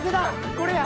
これや！